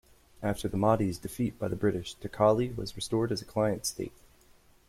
After the Mahdi's defeat by the British, Taqali was restored as a client state.